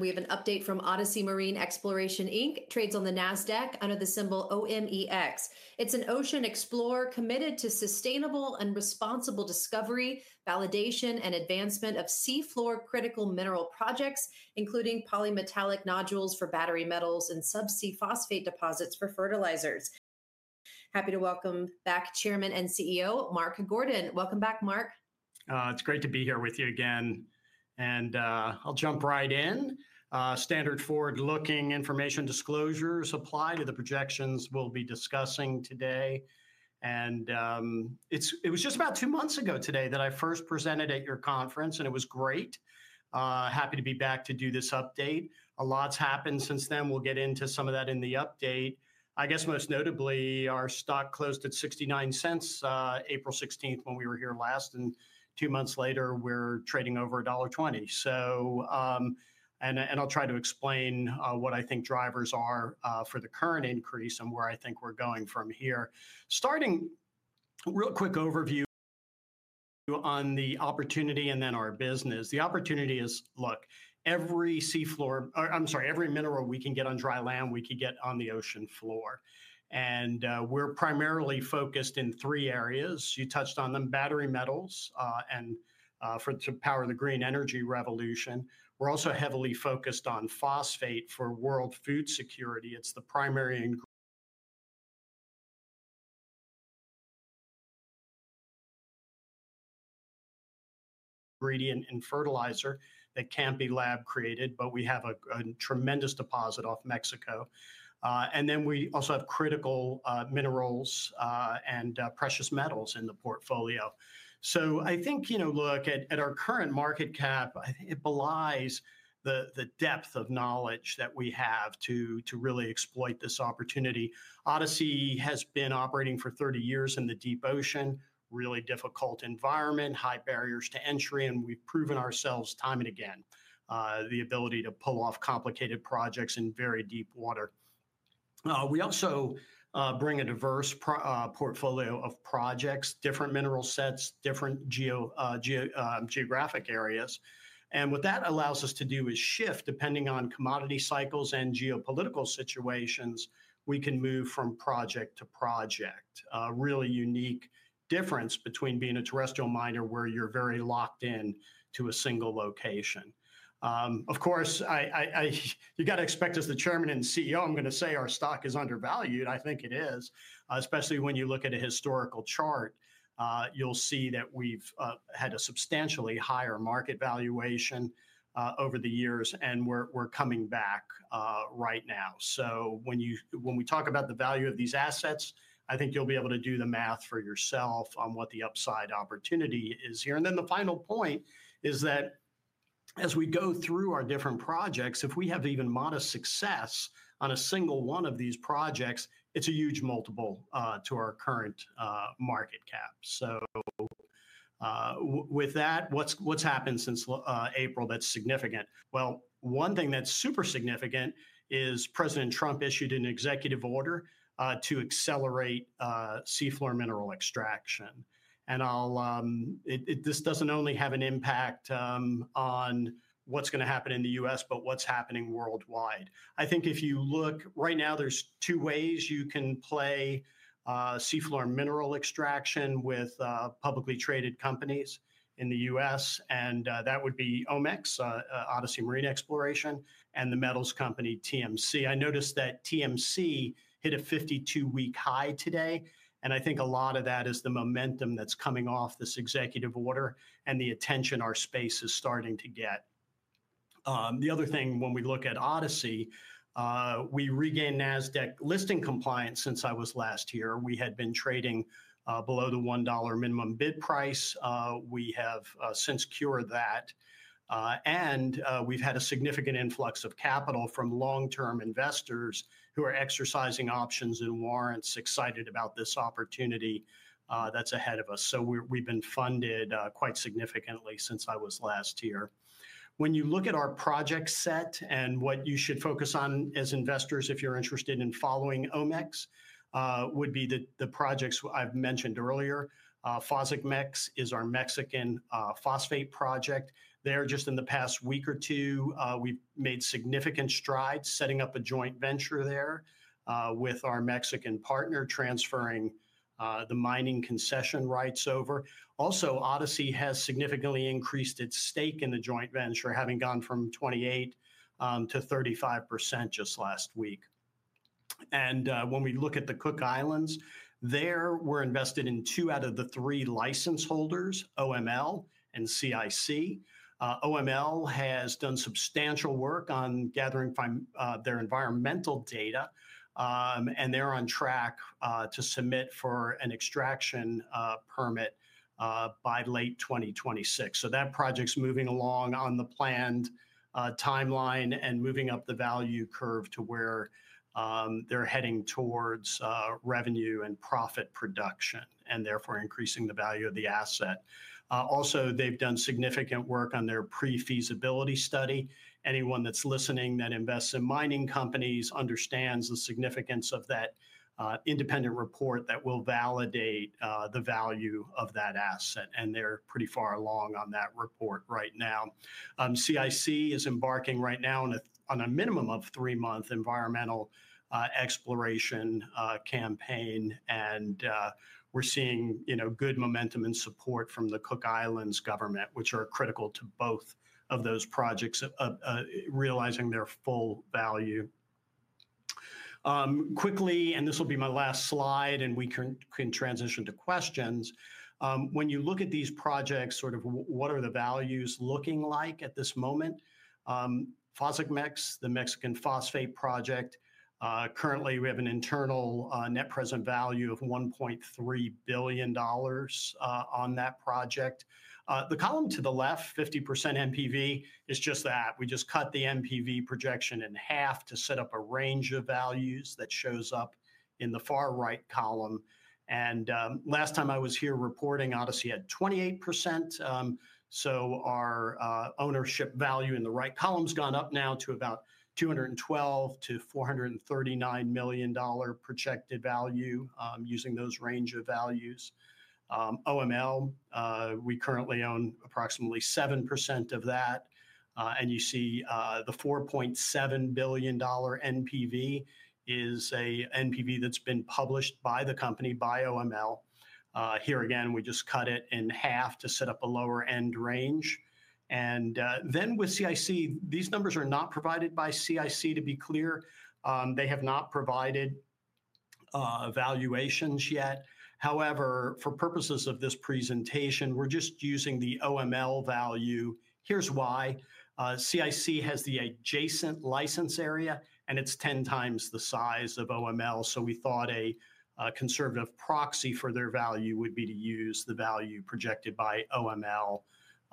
We have an update from Odyssey Marine Exploration. Trades on the NASDAQ under the symbol OMEX. It's an ocean explorer committed to sustainable and responsible discovery, validation, and advancement of seafloor critical mineral projects including polymetallic nodules for battery metals and subsea phosphate deposits for fertilizers. Happy to welcome back Chairman and CEO Mark Gordon. Welcome back, Mark. It's great to be here with you again and I'll jump right in. Standard forward looking information disclosures apply to the projections we'll be discussing today. It was just about two months ago today that I first presented at your conference and it was great. Happy to be back to do this update. A lot's happened since then. We'll get into some of that in the update. I guess most notably our stock closed at $0.69 April 16th when we were here last and two months later we're trading over $1.20. I'll try to explain what I think drivers are for the current increase and where I think we're going from here starting real quick overview on the opportunity and then our business. The opportunity is look every seafloor, I'm sorry, every mineral we can get on dry land, we could get on the ocean floor. We're primarily focused in three areas, you touched on them, battery metals to power the green energy revolution. We're also heavily focused on phosphate for world food security. It's the primary ingredient in fertilizer that can't be lab created, but we have a tremendous deposit off Mexico, and then we also have critical minerals and precious metals in the portfolio. I think, you know, look at our current market cap, it belies the depth of knowledge that we have to really exploit this opportunity. Odyssey has been operating for 30 years in the deep ocean, really difficult environment, high barriers to entry, and we've proven ourselves time and again the ability to pull off complicated projects in very deep water. We also bring a diverse portfolio of projects, different mineral sets, different geographic areas, and what that allows us to do is shift depending on commodity cycles and geopolitical situations. We can move from project to project. Really unique difference between being a terrestrial miner where you're very locked in to a single location. Of course you got to expect as the Chairman and CEO I'm going to say our stock is undervalued. I think it is. Especially when you look at a historical chart, you'll see that we've had a substantially higher market valuation over the years and we're coming back right now. When we talk about the value of these assets, I think you'll be able to do the math for yourself on what the upside opportunity is here. The final point is that as we go through our different projects, if we have even modest success on a single one of these projects, it's a huge multiple to our current market cap. With that, what's happened since April that's significant? One thing that's super significant is President Trump issued an executive order to accelerate seafloor mineral extraction. This doesn't only have an impact on what's going to happen in the U.S. but what's happening worldwide. I think if you look right now, there are two ways you can play seafloor mineral extraction with publicly traded companies in the U.S., and that would be OMEX, Odyssey Marine Exploration, and The Metals Company, TMC. I noticed that TMC hit a 52 week high today and I think a lot of that is the momentum that's coming off this executive order and the attention our space is starting to get. The other thing, when we look at Odyssey, we regain NASDAQ listing compliance. Since I was last here, we had been trading below the $1 minimum bid price. We have since cured that. We have had a significant influx of capital from long term investors who are exercising options and warrants, excited about this opportunity that's ahead of us. We have been funded quite significantly since I was last here. When you look at our project set and what you should focus on as investors if you're interested in following OMEX would be the projects I have mentioned earlier. Fosigmex is our Mexican phosphate project there. Just in the past week or two, we've made significant strides setting up a joint venture there with our Mexican partner, transferring the mining concession rights over. Also, Odyssey has significantly increased its stake in the joint venture, having gone from 28% to 35% just last week. When we look at the Cook Islands there, we're invested in two out of the three license holders, OML and CIC. OML has done substantial work on gathering their environmental data and they're on track to submit for an extraction permit by late 2026. That project's moving along on the planned timeline and moving up the value curve to where they're heading towards revenue and profit production and therefore increasing the value of the asset. Also, they've done significant work on their pre feasibility study. Anyone that's listening that invests in mining companies understands the significance of that independent report that will validate the value of that asset, and they're pretty far along on that report right now. CIC is embarking right now on a minimum of three month environmental exploration campaign. We're seeing, you know, good momentum and support from the Cook Islands government, which are critical to both of those projects realizing their full value quickly. This will be my last slide. We can transition to questions. When you look at these projects, sort of what are the values looking like at this moment? Fosigmex, the Mexican phosphate project. Currently we have an internal net present value of $1.3 billion on that project. The column to the left, 50% NPV, is just that. We just cut the NPV projection in half to set up a range of values that show up in the far right column. Last time I was here reporting, Odyssey had 28%. Our ownership value in the right column has gone up now to about $212-$439 million projected value. Using those range of values, OML, we currently own approximately 7% of that. You see the $4.7 billion NPV is a NPV that has been published by the company, by OML. Here again, we just cut it in half to set up a lower end range. With CIC, these numbers are not provided by CIC. To be clear, they have not provided valuations yet. However, for purposes of this presentation, we are just using the OML value. Here is why. CIC has the adjacent license area and it is 10 times the size of OML. We thought a conservative proxy for their value would be to use the value projected by OML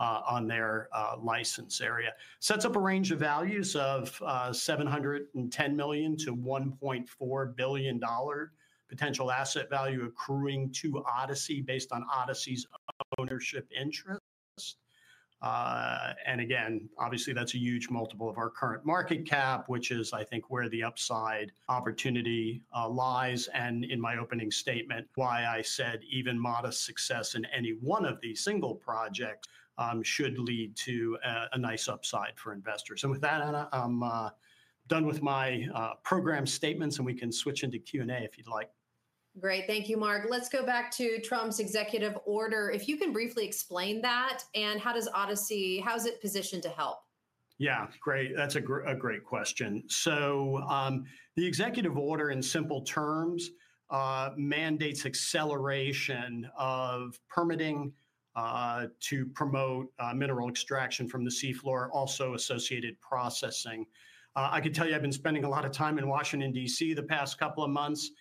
on their license area, sets up a range of values of $710 million-$1.4 billion. Potential asset value accruing to Odyssey based on Odyssey's ownership interest. Again, obviously that's a huge multiple of our current market cap, which is, I think, where the upside opportunity lies. In my opening statement, I said even modest success in any one of these single projects should lead to a nice upside for investors. With that, I'm done with my program statements and we can switch into Q and A if you'd like. Great, thank you, Mark. Let's go back to Trump's executive order, if you can briefly explain that. How does Odyssey, how is it positioned to help? Yeah, great. That's a great question. The executive order, in simple terms, mandates acceleration of permitting to promote mineral extraction from the sea floor, also associated processing. I can tell you I've been spending a lot of time in Washington D.C. the past couple of months.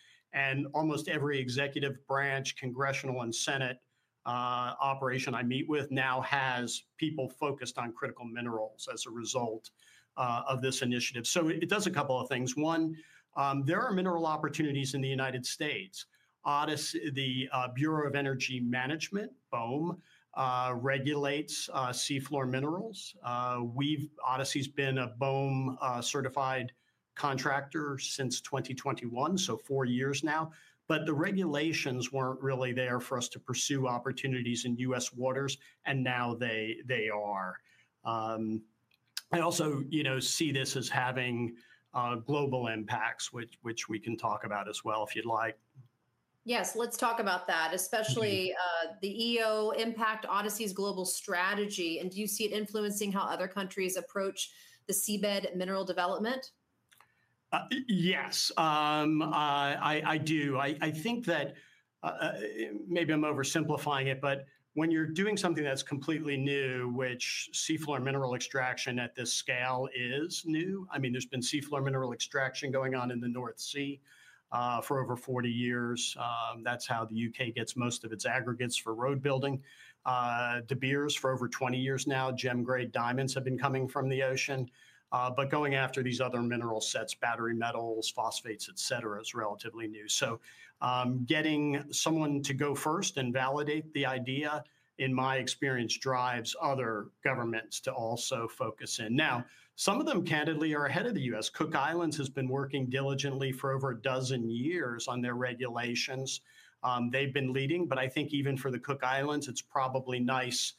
Almost every executive branch, congressional and Senate operation I meet with now has people focused on critical minerals as a result of this initiative. It does a couple of things. One, there are mineral opportunities in the United States. Odyssey, the Bureau of Ocean Energy Management, BOEM, regulates seafloor minerals. Odyssey has been a BOEM certified contractor since 2021, so four years now. The regulations were not really there for us to pursue opportunities in U.S. waters, and now they are. I also see this as having global impacts, which we can talk about as well if you'd like. Yes, let's talk about that. Especially the EO impact Odyssey's global strategy. Do you see it influencing how other countries approach the seabed mineral development? Yes, I do. I think that maybe I'm oversimplifying it, but when you're doing something that's completely new, which seafloor mineral extraction at this scale is new? I mean, there's been seafloor mineral extraction going on in the North Sea for over 40 years. That's how the U.K. gets most of its aggregates for road building. De Beers. For over 20 years now, gem grade diamonds have been coming from the ocean. Going after these other mineral sets, battery metals, phosphates, et cetera, is relatively new. Getting someone to go first and validate the idea, in my experience, drives other governments to also focus in. Now, some of them candidly are ahead of the U.S. Cook Islands has been working diligently for over a dozen years on their regulations. They've been leading, but I think even for the Cook Islands, it's probably nice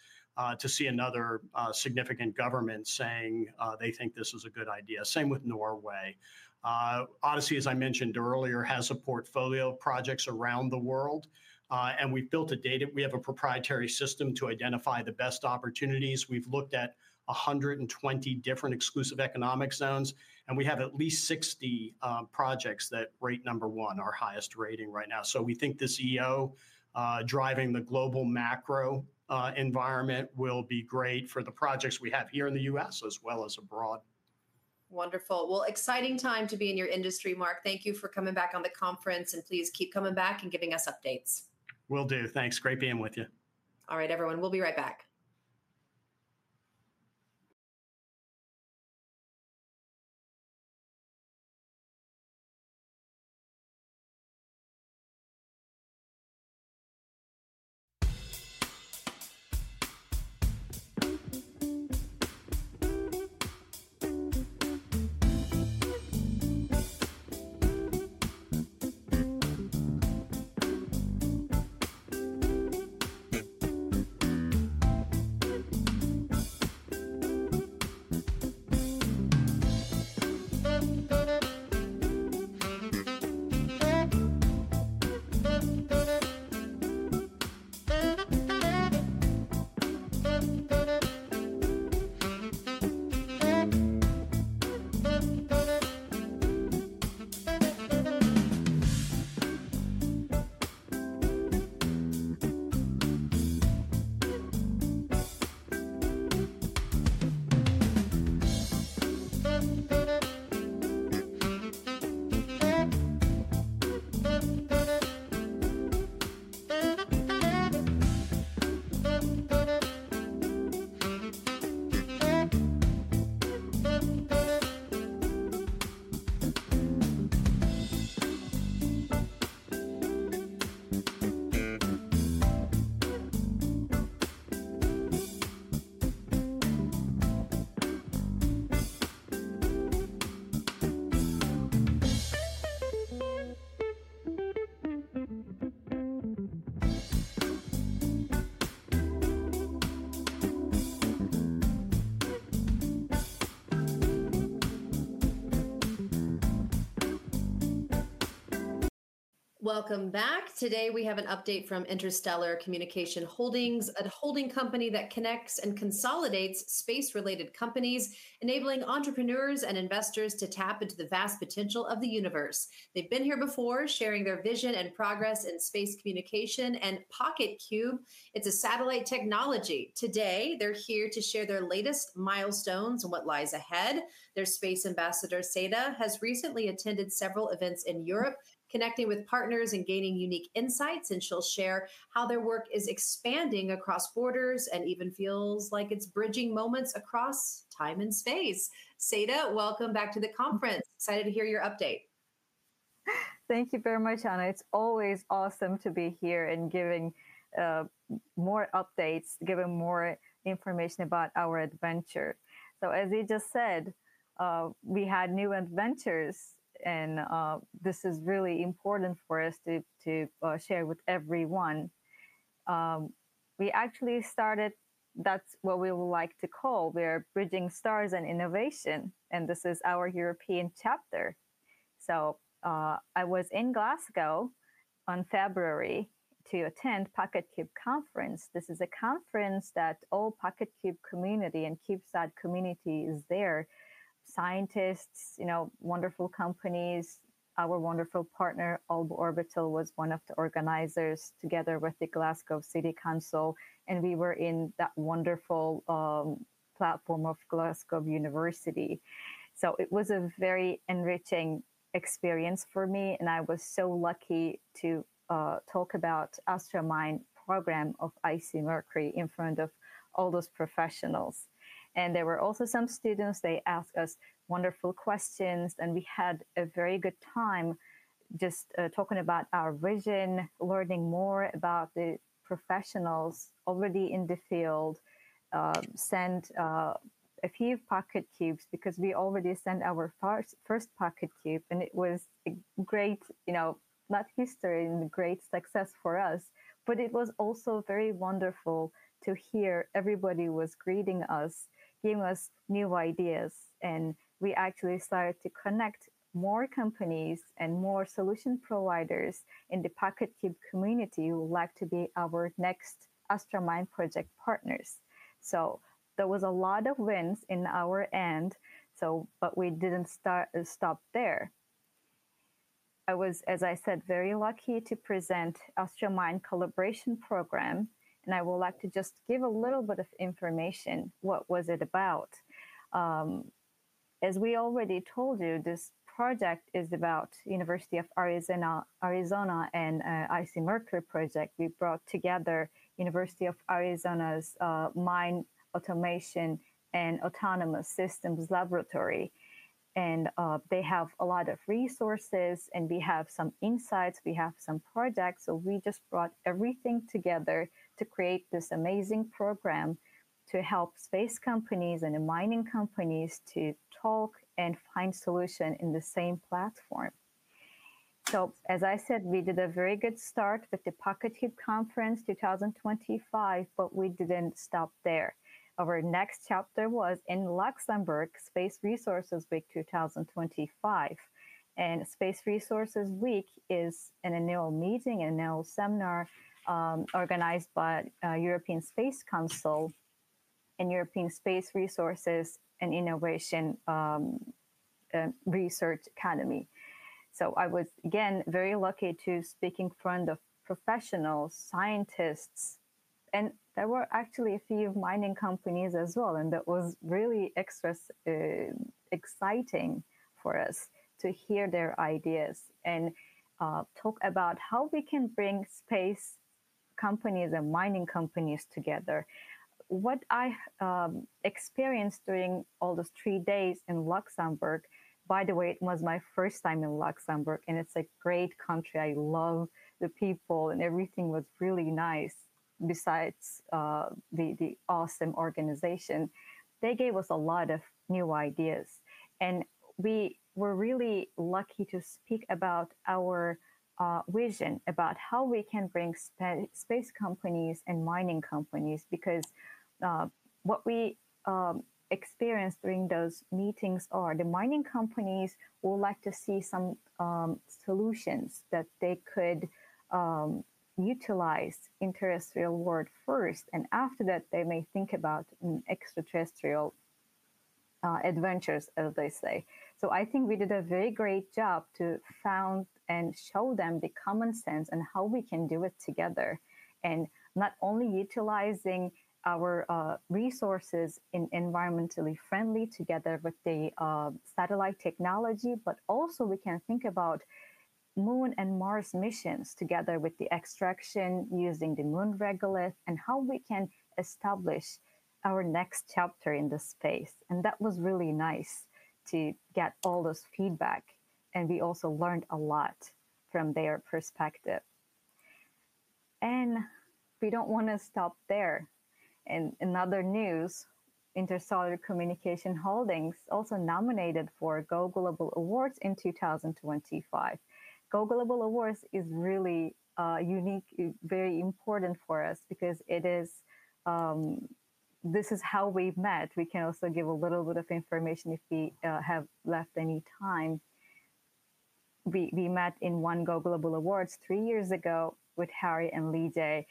to see another significant government saying they think this is a good idea. Same with Norway. Odyssey, as I mentioned earlier, has a portfolio of projects around the world and we've built a data, we have a proprietary system to identify the best opportunities. We've looked at 120 different exclusive economic zones and we have at least 60 projects that rate number one, our highest rating right now. We think this EO driving the global macro environment will be great for the projects we have here in the U.S. as well as abroad. Wonderful. Exciting time to be in your industry. Mark, thank you for coming back on the conference and please keep coming back and giving us updates. Will do. Thanks. Great being with you. All right, everyone, we'll be right back. Sam. Sa. Sam, welcome back. Today we have an update from Interstellar Communication Holdings, a holding company that connects and consolidates space related companies, enabling entrepreneurs and investors to tap into the vast potential of the universe. They've been here before, sharing their vision and progress in space communication and PocketQube, it's a satellite technology. Today, they're here to share their latest milestones and what lies ahead. Their space ambassador, Saida, has recently attended several events in Europe, connecting with partners and gaining unique insights. She'll share how their work is expanding across borders and even feels like it's bridging moments across time and space. Saida, welcome back to the conference. Excited to hear your update. Thank you very much, Anna. It's always awesome to be here and giving more updates, giving more information about our adventure. As you just said, we had new adventures and this is really important for us to share with everyone. We actually started, that's what we would like to call, we are bridging stars and innovation and this is our European chapter. I was in Glasgow in February to attend PocketQube Conference. This is a conference that all PocketQube community and Cubesat community is there, scientists, wonderful companies. Our wonderful partner Alba Orbital was one of the organizers together with the Glasgow City Council. We were in that wonderful platform of Glasgow University. It was a very enriching experience for me and I was so lucky to talk about Astra Mine Program of IC Mercury in front of all those professionals. There were also some students, they asked us wonderful questions and we had a very good time just talking about our vision, learning more about the professionals already in the field. Sent a few PocketQubes because we already sent our first PocketQube and it was great, you know, not history and great success for us, but it was also very wonderful to hear. Everybody was greeting us, gave us new ideas and we actually started to connect more companies and more solution providers in the PocketQube community who would like to be our next Astra Mine Program partners. There was a lot of wins in our end, but we did not stop there. I was, as I said, very lucky to present Astra Mine Collaboration Program and I would like to just give a little bit of information. What was it about? As we already told you, this project is about University of Arizona and IC Mercury Project. We brought together University of Arizona's Mind Automation and Autonomous Systems Laboratory and they have a lot of resources and we have some insights, we have some projects. We just brought everything together to create this amazing program to help space companies and mining companies to talk and find solution in the same platform. As I said, we did a very good start with the PocketQube Conference 2025, but we didn't stop there. Our next chapter was in Luxembourg Space Resources Week 2025 and Space Resources Week is an annual meeting, an annual seminar organized by European Space Council and European Space Resources and Innovation Research Academy. I was again very lucky to speak in front of professionals, scientists and there were actually a few mining companies as well. That was really extra exciting for us to hear their ideas and talk about how we can bring space companies and mining companies together. What I experienced during all those three days in Luxembourg, by the way, it was my first time in Luxembourg and it's a great country. I love the people and everything was really nice besides the awesome organization. They gave us a lot of new ideas and we were really lucky to speak about our vision about how we can bring space companies and mining companies. What we experience during those meetings is the mining companies would like to see some solutions that they could utilize in the terrestrial world first and after that they may think about extraterrestrial adventures as they say. I think we did a very great job to found and show them the common sense and how we can do it together. Not only utilizing our resources in environmentally friendly together with the satellite technology, but also we can think about moon and Mars missions together with the extraction using the moon regolith and how we can establish our next chapter in this space. That was really nice to get all this feedback and we also learned a lot from their perspective and we do not want to stop there. In another news, Interstellar Communication Holdings also nominated for Go Global Awards in 2025. Go Global Awards is really unique, very important for us because it is. This is how we met. We can also give a little bit of information if we have left any time. We met in one Go Global Awards three years ago with Harry and Lee J.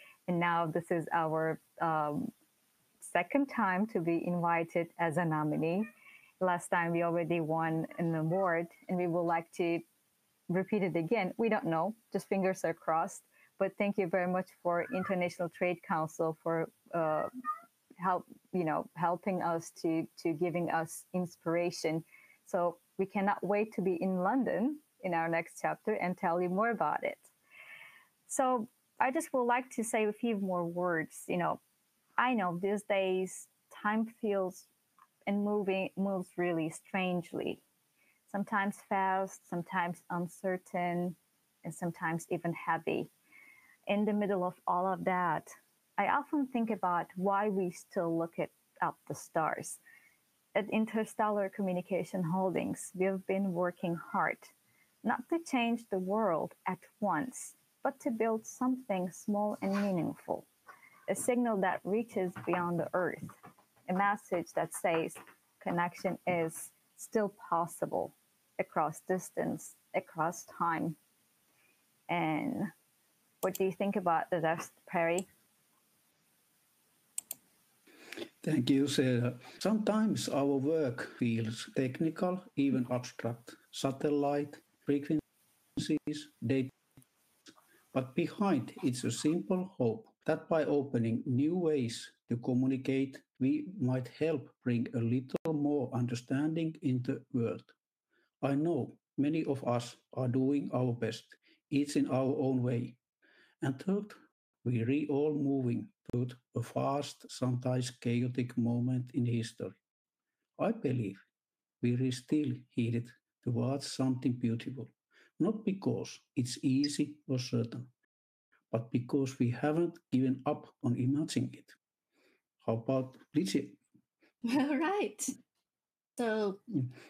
This is our second time to be invited as a nominee. Last time we already won an award and we would like to repeat it again. We do not know, just fingers are crossed. Thank you very much for International Trade Council for help, you know, helping us to, to giving us inspiration. We cannot wait to be in London in our next chapter and tell you more about it. I just would like to say a few more words. You know, I know these days time feels and moves really strangely. Sometimes fast, sometimes uncertain, and sometimes even heavy. In the middle of all of that, I often think about why we still look at up the stars. At Interstellar Communication Holdings we have been working hard not to change the world at once, but to build something small and meaningful. A signal that reaches beyond the earth. A message that says connection is still possible across distance, across time and what do you think about the rest, Perry? Thank you, Sarah. Sometimes our work feels technical, even abstract satellite frequencies. But behind it's a simple hope that by opening new ways to communicate, we might help bring a little more understanding in the world. I know many of us are doing our best, each in our own way. Third, we all moving toward a fast, sometimes chaotic moment in history. I believe we still headed towards something beautiful, not because it's easy or certain, but because we haven't given up on imagining it. How about Lizzie? All right, so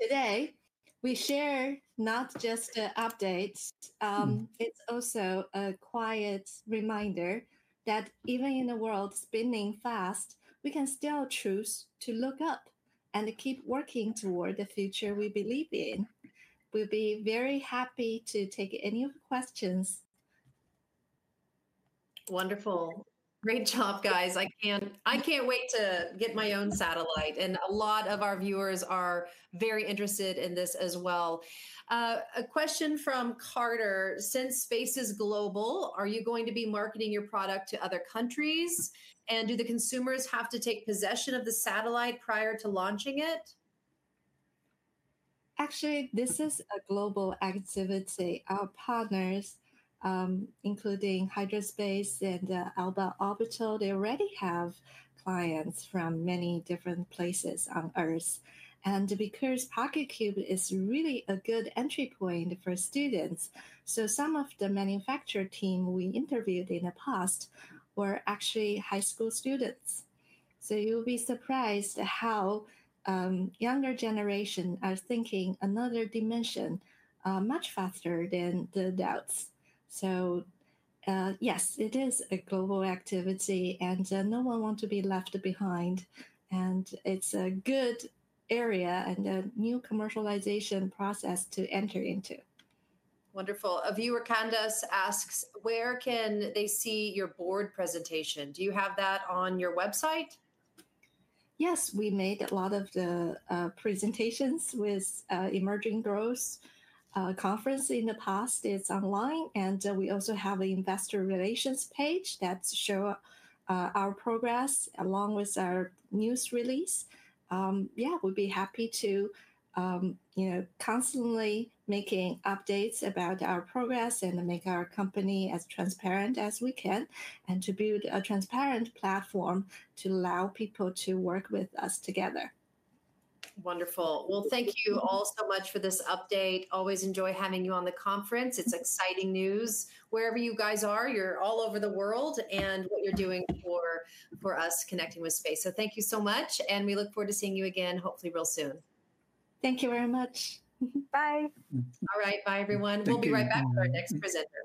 today we share not just updates, it's also a quiet reminder that even in the world spinning fast, we can still choose to look up and keep working toward the future we believe in. We'll be very happy to take any questions. Wonderful. Great job, guys. I can't wait to get my own satellite. A lot of our viewers are very interested in this as well. A question from Carter. Since space is global, are you going to be marketing your product to other countries? Do the consumers have to take possession of the satellite prior to launching it? Actually, this is a global activity. Our partners, including Hydrospace and Alba Orbital, they already have clients from many different places on earth. Because PocketQube is really a good entry point for students. Some of the manufacturer team we interviewed in the past were actually high school students. You'll be surprised how younger generation are thinking another dimension much faster than the adults. Yes, it is a global activity and no one want to be left behind. It is a good area and a new commercialization process to enter into. Wonderful. A viewer, Candace, asks where can they see your board presentation? Do you have that on your website? Yes, we made a lot of the presentations with Emerging Growth Conference in the past. It's online and we also have an investor relations page that shows our progress along with our news release. Yeah, we'll be happy to constantly make updates about our progress and make our company as transparent as we can and to build a transparent platform to allow people to work with us together there. Wonderful. Thank you all so much for this update. Always enjoy having you on the conference. It is exciting news. Wherever you guys are, you are all over the world and what you are doing for us connecting with space. Thank you so much and we look forward to seeing you again hopefully real soon. Thank you very much. Bye. All right, bye everyone. We'll be right back with our next presenter.